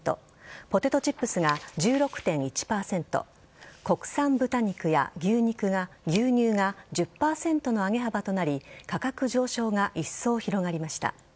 ポテトチップスが１６．１％国産豚肉や牛乳が１０％の上げ幅となり価格上昇がいっそう広がりました。